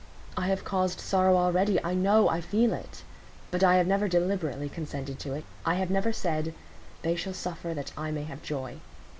I have caused sorrow already—I know—I feel it; but I have never deliberately consented to it; I have never said, 'They shall suffer, that I may have joy.